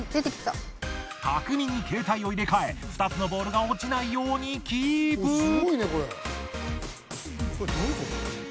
たくみにケータイを入れ替え２つのボールが落ちないようにキープ。